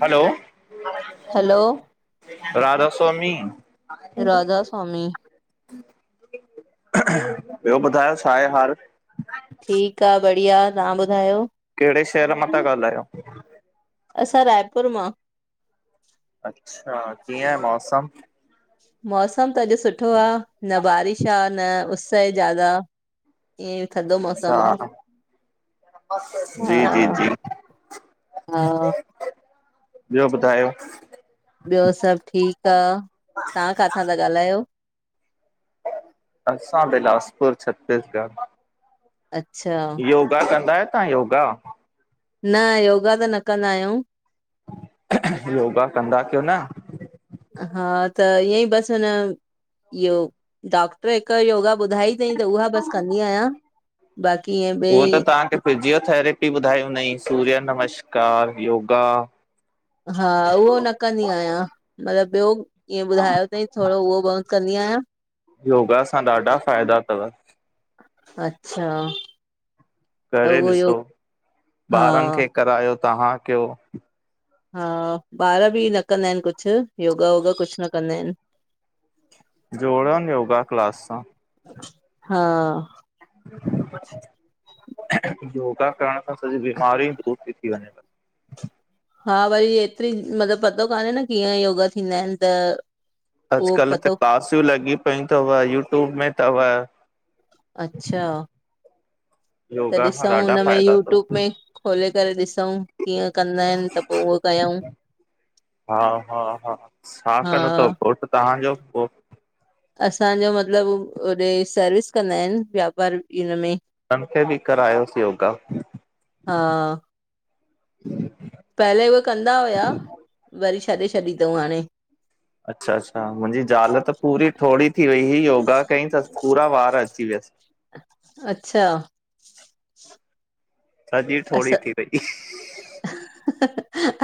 हलो hello Radha Swami. Radha Swami ॿियो ॿुधायो छाहे हाल? ठीकु आ बढ़िया, तव्हां ॿुधायो? केड़े शहर मां ता ॻाल्हायो? असां रायपुर मां। अच्छा, किंय आहे मौसम? मौसम त अॼु सुठो आ न बारिश आ न उस्स ए ज्यादा। ईंयें, थदो अच्छा मौसम आ। हा जी जी जी। हा ॿियो ॿुधायो? ॿियो सब ठीक आ तहां काथां ता ॻाल्हायो? असां बिलासपुर छत्तीसगढ़। अच्छा। योगा कंदा आहियो, तहां योगा? न योगा त न कंदा आहियंउ। योगा कंदा कियो न हा त ईयंइ बसि हिन इह्यो डॉक् टर हिक योगा ॿुधाई तंई त उहा बस कंदी आहियां बाक़ी ईयें उहो त तहांखे फिजियोथेरेपी ॿुधाई हुंदंई, सूर्य नमस्कार योगा हा उहो न कंदी आहियां, मतलब ॿियो ईअं ॿुधायो तई थोड़ो उहो बहुत कंदी आहियां। योगा सां ॾाढा फ़ाइदा अथव अच्छा। त करे उहो ॾिसो, योग हा ॿारन खे करायो, तहां कियो। हा ॿार बि न कंदा हिन कुछु, योगा वोगा कुछ न कंदा हिन। जोड़ियोन योगा क्लास सां। हा। योगा करण सां सॼी बीमारि ई दूर ती थी वंञें। हा वरी एतरी, मतलब पतो कान्हे न कीअं योगा थींदा हिन त उहो अॼुकल्ह त पतो क्लासियूं लॻी पयूं थव, यूट्यूब में तव। अच्छा। त योगा खां ॾिसऊँ ॾाढा हुन में फ़ाइदा अथव यूट्यूब में खोले करे ॾिसऊँ कीअं कंदा हिन त पो ऊहो कयंउं। हा- हा- हा, छा हा कंदो तव घोटु तहांजो पो? असांजो मतलब होॾे सर्विस कंदा हिन व्यापार हिनमें उन खे बि करायोस योगा हा। पहिरियों उहे कंदा हुआ, वरी छॾे-छॾी अथव हाणे। अच्छा-अच्छा, मुंहिंजी ज़ाल त पूरी ठोरी थी वई। ही योगा कई त पूरा वार अची व्यस। अच्छा। सॼी ठोरी असां थी वईं।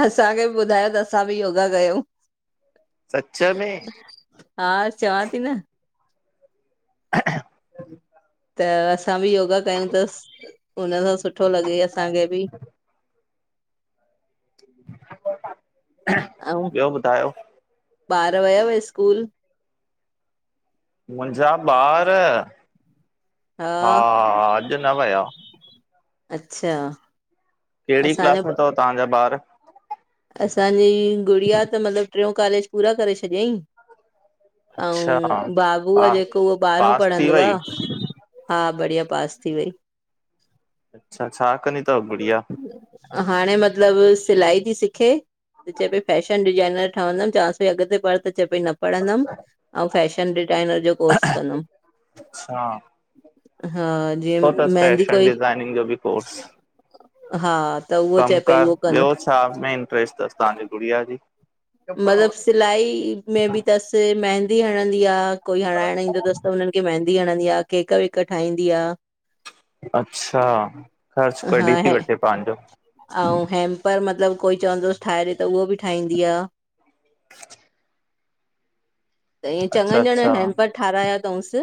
असांखे बि ॿुधायो त असां बि योगा कयूं। सच में। हा, चवां थी न। [inaudible] त असां बि योगा कयूं अथस हुन सां सुठो लॻे असांखे बि। अऊं, ॿियो ॿुधायो ॿार विया स्कूल? मुंहिंजा ॿार हा हा, अॼु न विया। अच्छा। केड़ी क्लास में असांजो अथव तव्हांजा ॿार? असांजी ॻुड़िया त मतिलबु ट्रेयों कॉलेज़ पूरा करे छॾियईं अच्छा ऐं बाबू आहे पा जेको उहो ॿारहों पास थी पढ़ंदो वई आहे। हा, बढ़िया पास थी वई। अच्छा, छा कंदी अथव ॻुॾिया? हाणे मतिलबु सिलाई थी सिखे त चए पई फैशन डिज़ाइन डिज़ाइनर ठवंदम च्वांस पई अॻिते पढ़ त चय पई न पढ़ंदम आऊं फैशन डिजाइनर जो कोर्स कंदमि। अच्छा हा, सुठो जीअं अथसि मेहंदी फैशन कोई, डिज़ाइनिंग जो बि कोर्स हा, त उहो चए कम पई कार उहो कंदमि। ॿियो छा में इंटरेस्ट अथसि तव्हां जी ॻुॾिया जी? मतिलबु सिलाई में बि अथसि, मेहंदी हणंदी आहे। त कोई हणाइण ईंदो अथसि त हुननि खे मेहंदी हणंदी आहे, केक वेक ठाहींदी आहे। अच्छा, ख़र्च कॾी थी वठे पंहिंजो? त मतिलबु कोई बि चवंदसि ठाहे ॾे त उहो बि ठाहींदी आहे। त इअं अच्छा चङनि ॼणा अच्छा हैम्पर ठाहिराया अथसि।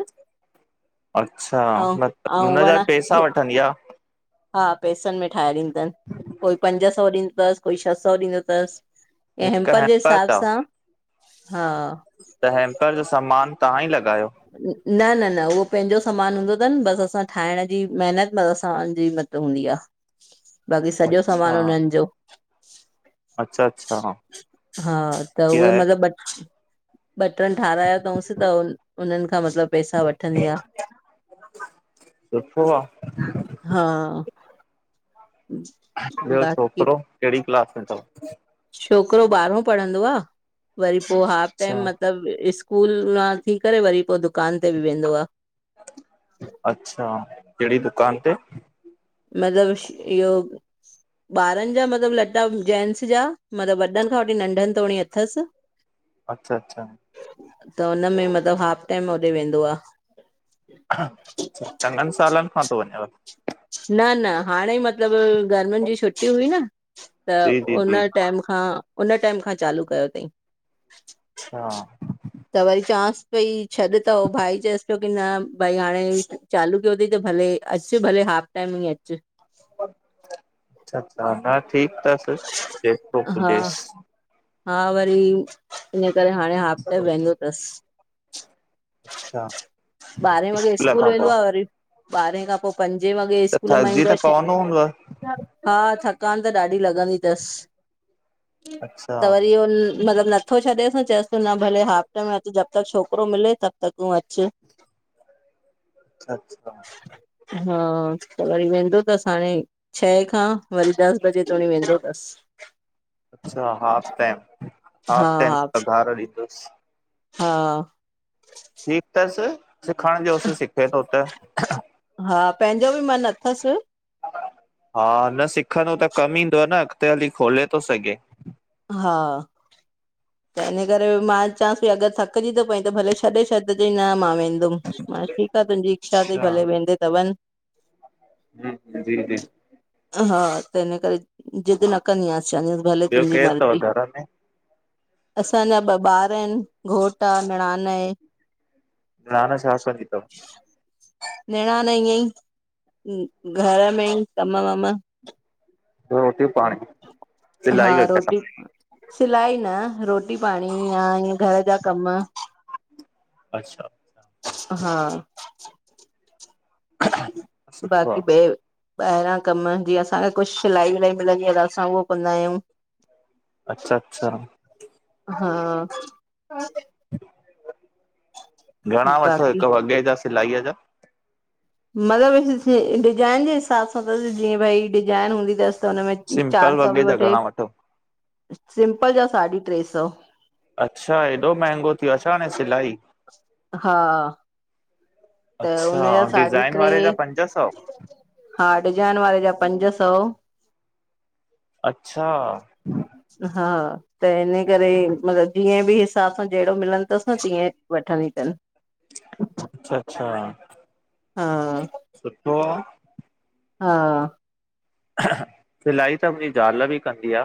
अच्छा, हुनजा वण पैसा वठंदी आहे? हा, पैसनि में ठाहे ॾींदी अथसि। कोई पंज सौ ॾींदसि कोई छह सौ ॾींदो अथसि, ऐं हिकु हेम्पर जे हैम्पर हिसाब अथव सां हा त हेम्पर जो सामान तव्हां ई लॻायो? न-न-न उहो पंहिंजो समान हूंदो अथसि। बसि असां ठाहिणु जी महिनत असांजी मतिलबु हूंदी आहे। बाक़ी सॼो सामान अच्छा हुननि जो। अच्छा, अच्छा। हा, त इहा उहे आहे मतिलबु ॿ टे ठाहिरायो अथसि त हुननि खां मतिलबु पैसा वठंदी आ। सुठो आहे हा। ॿियो बाक़ी छोकरो कहिॾी क्लास में अथव? छोकरो ॿारहो पढ़ंदो आहे, वरी पोइ हाफ अच्छा टाइम मतिलबु स्कूल स्कूल मां थी करे वरी पोइ दुकान ते बि वेंदो आहे। अच्छा, कहिॾी दुकान ते? मतिलबु इहो ॿारनि जा मतिलबु लत्ता, जेन्टस् जा मतिलबु वॾनि खां वठी नंढनि तोणी अथसि। [unintelligible] अच्छा, अच्छा त हुनमें मतिलबु हाफ टाइम होॾे वेंदो आ खां अ्छा चङनि सालनि खां थो वञेव? न न हाणे ई मतिलबु गर्मियुनि जी छुट्टी हुई न त जी जी उन जी टाइम खां, उन टाइम खां चालू कयो तई। अच्छा त वरी चांसि पई, छॾ त हु भाई चएसि पियो की न भई हाणे चालू कयो थई त भले अचु, भले हाफ टाइम ई अचु च्छा हा ठीकु तसि। जेको हा पुजेस हा वरी इञें करे, हाण हाफ टाइम वेंदो तसि अच्छा ॿारहें वॻे स्कूल खां पोइ वेंदो आह वरी ॿारहें खां पो पंजे वॻे त स्कूल मां थकिजी ईंदो त स पवंदो हूंदव हा थकानु त ॾाढी लॻंदी थसि! अच्छ त वरी उन मतिलबु नथो छॾेसि न? चयसि तो न भले हाफ टाइम अचु। जब तक छोकिरो मिले तब तक तूं अचु। [unintelligible] अच्छा हा त वरी वेंदो थसि हाणे, छः खां वरी दस बजे ताई वेंदो थसि, च्छा? हाफ टैम, हा हाफ टैम हा पघारु ॾींदुसि हा। ठीकु थसि सिखुण जो सिखे थो उते। हा, पेंजो बि मनु अथसि। हा न, सिखंदो त कमु ईंदो न अॻिते हली खोले तो सघे। हा। त इन करे मां चांसि बि अगरि थकिजी थो पई, त भले छॾे छॾिजी चंंइ न मां वेंदुमि। हाण ठीकु आह, तुंजी इच्छा तइ अच्छा भले वेंदे त वञं। हम्म! जी, जी हा त इन करे ज़िद न कंदीयांसि, चेेदांंसि भले ॿियो तुंहिंजी केरु अथव मर्ज़ी। घर में असांजा ॿ ॿार अनि, घोटु आ, निरानु आए। निरान छा कंदी तव? निणान न ईञें ई घर में ई कमु वमु रोटी -पाणी हा सिलाई रोटी, वग़ैरह सिलाई न, रोटी पाणी या ईञें घर जा कमु। अच्छा हा, सुठो बाक़ी आहे बे ॿायरां कमु जीअं असां कुझु सिलाई विलाई मिलंदी आह त। असां उहो कंदा अयूं। अच्छा अच्छा हा। घणा वठो बाक़ी हिकु वॻे जा सिलाईअ जा? मतिलबु डिजाइन जे हिसाब सां त जीअं, भई डिजाइन हूंदी थसि। त हुनमें सिंपल चार सौ वॻे बि जा वठे, घणा वठो? सिम्पल जा साढी ट्रे सौ। अच्छा हेॾो मंहंगो थीियो, आहे छा हाण सिलाई। हा त अच्छा हुनजा ऐं साढी डिज़ाइन ट्रे, वारे जा पंज सौ? हा डिजाइन वारे जा पंज सौ। अच्छा। हा त हिन करे मतलबु जीअं बि हिसाब सां जहिड़ो मिलन तस, न तीअं वठन तन। अच्छा अच्छा, हा सुठो आ। हा, सिलाई त मुंजी ज़ाल बि कंदी आ।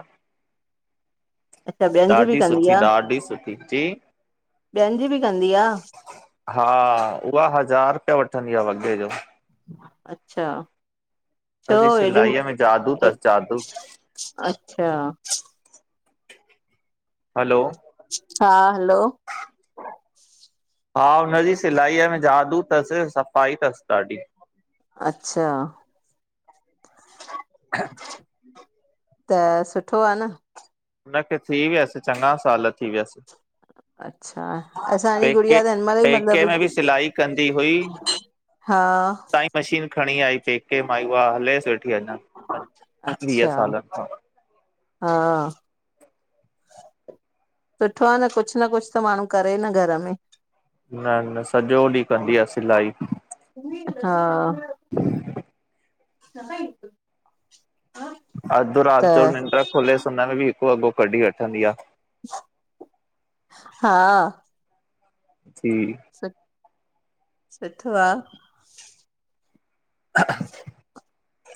अच्छा ॿियनि जी बि ॾाढी कंदी सुठी, आ ॾाढी सुठी जी। ॿियनि जी बि कंदी आ। हा उहा हज़ार रुपया वठंदी आ वॻे जो। अच्छा। छो हुनजी हेॾी सिलाईअ में जादू, तस जादू। अच्छा। हलो, हा हलो, हा हुनजी सिलाईअ में जादू तस सफ़ाई तस ॾाढी। अच्छा। [inaudible] त सुठो आ न। हुनखे थी वियसि, चङा साल थी वियसि। अच्छा असांजी पेके, गुड़िया त हिन महिल ई पेके मतिलबु में बि सिलाई कंदी हुई। हा, नई मशीन खणी आई पेके मा, उहा हलेस वठी अञा। वीह अच्छा, सालनि खां हा। सुठो आ न कुझु न कुझु, त माण्हू करे न घर में। न न सॼो ॾींह कंदी आ सिलाई। अच्छा, खपेई। अधु राति जो निंड खुलेसि हुन में बि हिकु वॻो कढी वठंदी आ। हा। जी। सु सुठो आ। [inaudible]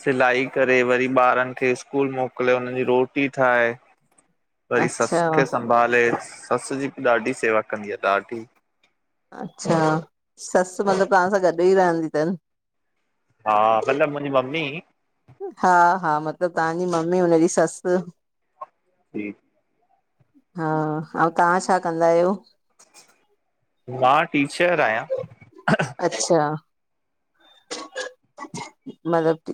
सिलाई करे वरी ॿारन खे स्कूल मोकिले उन्हनजी रोटी ठाहे। वरी सस अच्छा, खे संभाले सस जी बि ॾाढी सेवा कंदी आ ॾाढी। अच्छा सस मतलब तव्हां सां गॾु ही रहंदी तन। हा मलब मुंजी मम्मी। हा हा मतलब तहांजी मम्मी हुनजी सस। जी, हा आऊं तहां छा कंदा आयो। मां टीचर आयां। अच्छा, मतलब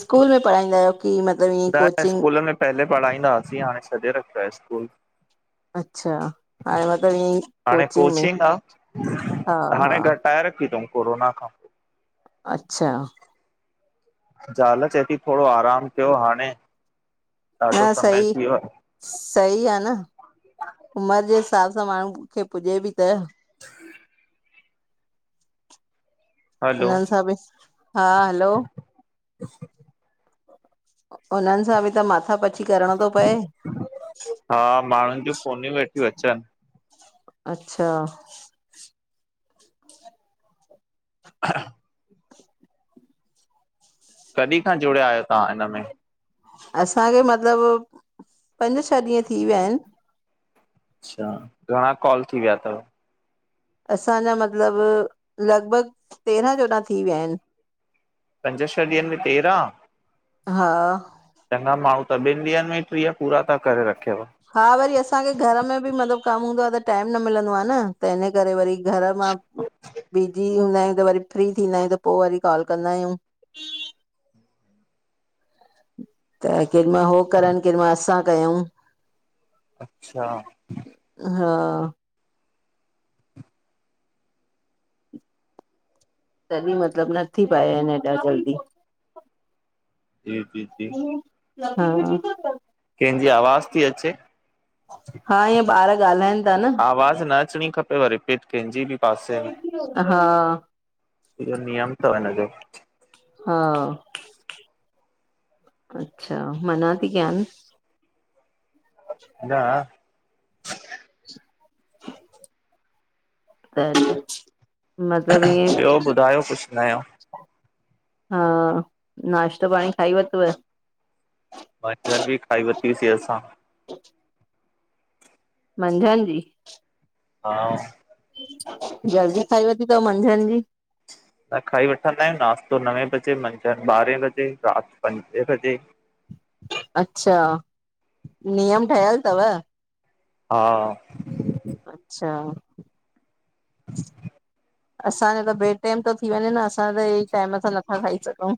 स्कूल में पढ़ाईंदा आयो। की मतलब ईअं। न कोचिंग स्कूल में पहले पढ़ाईंदा हुयासी हाणे छॾे रखियो आ स्कूल। अच्छा, हाणे मतिलबु ईअं हाणे में कोचिंग हा आहे हा, हाणे गट ठाणे रखीतऊं कोरोना खां पो। अच्छा ॼाल चेयती थोॾो आराम कयो हाणे। ॾाढो हा समय सही। थी वियो आहे सही आ न उमर जे हिसाब सां माणू खे पुॼे ॿि त। हू उनन सां ॿि हा हलो। अ हुनन सां ॿि त माथा पची। करिणो थो पए, हा माणुन जूं फोनियूं हेॾयु अचन। अच्छा हा कॾि खां जुड़िया आयो तां हिन में? असांखे मतलब पंज छह ॾींय थी वया आयन। अच्छा घणा कॉल थी वया थव? असांजा मतलब लॻभॻ तेरहां चौड़ा थी वया आयन। पंज छह ॾींयन में तेराहं? हा चंगा माणू त ॿिन ॾींयन में ई ट्रिय पुरा ता करे रखेव। हा वरी असांखे घर में ॿि मतलब कम हूंदो आ त टाइम न मिलंदो आ न त इन करे वरी। घर मां बिजी हूंदा आयूं त वरी फ्री थींदा आयूं त पो वरी कॉल कंदा आयूं। त केॾी मल हो करन केॾी मल असां कयूं। अच्छा हा तॾी मतलब न थी पाया आयन हेॾा जल्दी। जी जी जी हा हा केंजी आवाज़ थी अचे? हा ईअ ॿार ॻाल्हाइन था न। आवाज़ न अचणी खपेव रिपीट कैंजी ॿि पासे में। हा ईओ नियम तव हिनजो। हा अच्छा मना थी कयान। हा त मतलब ईअ एंं ॿियो ॿुधायो कुझु नयो हा, नाश्तो पाणी खाई वतव? मंझंन ॿि खाई वतीसीं असां। अ [inaudible] मंझंन जी हा जल्दी खाई वती तव मंझंन जी। न खाई वठंदा आयूं नाश्तो नवे बजे, मंझंन ॿारे बजे, रात पंजे बजे। अच्छा, नियम ठयल तव? हा! अच्छा असांजो त बे टेम तो थी वञे न, असां त हे टाइम सां नथा खाई सघूं।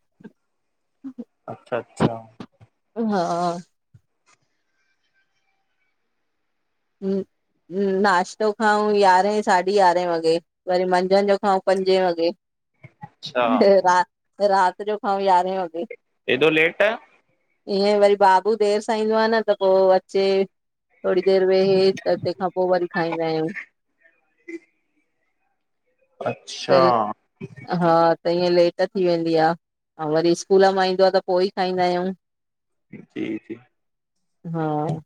[inaudible] अच्छा-अच्छा। हा। नाश्तो खाऊं यारहें, साढी यारहें वॻे। वरी मंझंन जो खाऊं पंॼे वॻे। अच्छा रा रात जो खाऊं यारह वॻे। हेॾो लेट? ईअं वरी बाबू देर सां ईंदो आह न, त पोइ अचे थोडी देरि वेह त तंहिंखां पोइ वरी खाईंदा आहियूं। अच्छा। त हा त ईअं लेट थी वेंदी आह। अउ वरी स्कूल मां ईंदो आह त, पोइ ई खाईंदा आहियूं। जी-जी। हा